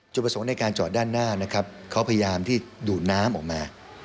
จุดประสงค์ในการเจาะด้านหน้าเขาพยายามที่ดูดน้ำออกมา